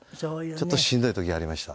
ちょっとしんどい時ありました。